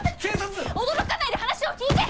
驚かないで話を聞いて！